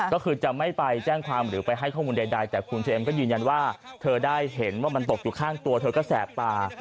ก็คือจะไม่ไปแจ้งความหรือไปให้ข้อมูลใดแต่คุณเช็มก็ยืนยันว่าเธอได้เห็นว่ามันตกอยู่ข้างตัวเธอก็แสบตา